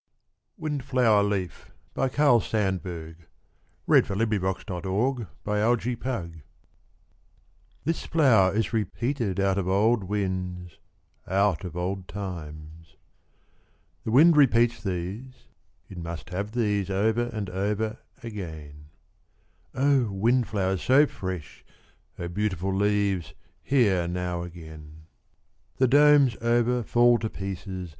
55American Poetry 1922 — Windflower LeafCarl Sandburg WINDFLOWER LEAF This flower is repeated out of old winds, out of old times. The wind repeats these, it must have these, over and over again. Oh, windflowers so fresh, Oh, beautiful leaves, here now again. The domes over fall to pieces.